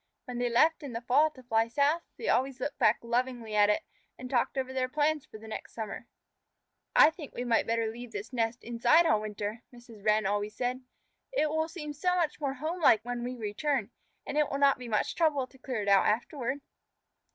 When they left it in the fall to fly south, they always looked back lovingly at it, and talked over their plans for the next summer. "I think we might better leave this nest inside all winter," Mrs. Wren always said. "It will seem so much more home like when we return, and it will not be much trouble to clear it out afterward."